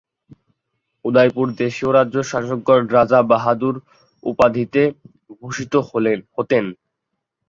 উদয়পুর দেশীয় রাজ্যের শাসকগণ রাজা বাহাদুর উপাধিতে ভূষিত হতেন।